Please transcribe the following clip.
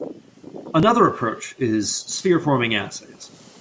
Another approach is sphere-forming assays.